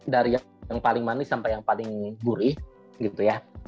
dari yang paling manis sampai yang paling gurih gitu ya